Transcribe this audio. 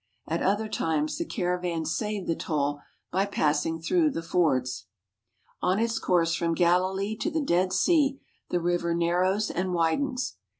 At other times the caravans save the toll by passing through the fords. On its course from Galilee to the Dead Sea the river narrows and widens.